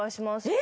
え。